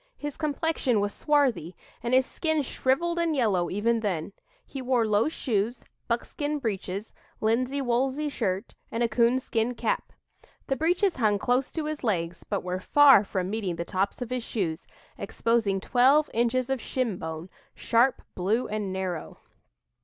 His complexion was swarthy, and his skin shriveled and yellow even then. He wore low shoes, buckskin breeches, linsey woolsey shirt, and a coonskin cap. The breeches hung close to his legs, but were far from meeting the tops of his shoes, exposing 'twelve inches of shinbone, sharp, blue and narrow.'"